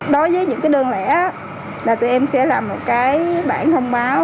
đối với những cái đơn lẻ là tụi em sẽ làm một cái bản thông báo